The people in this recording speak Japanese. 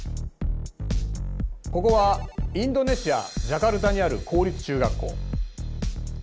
ここはインドネシア・ジャカルタにある公立中学校。